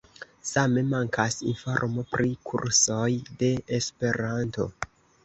Same mankas informo pri kursoj de esperanto.